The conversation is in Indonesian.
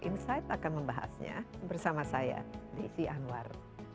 insight akan membahasnya bersama saya desi anwar